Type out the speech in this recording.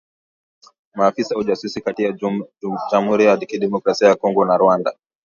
maafisa wa ujasusi kati ya jamhuri ya kidemokrasia ya Kongo na Rwanda